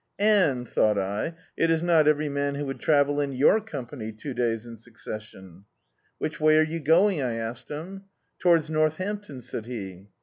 And, thou^t I, it is not every man would travel in your company two days in succession. "Which way arc you going?" I asked him. "To wards Northampton," said he.